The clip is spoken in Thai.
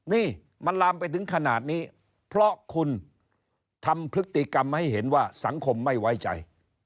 นี่มันลามไปถึงขนาดนี้เพราะคุณทำพฤติกรรมให้เห็นว่าสังคมไม่ไว้ใจ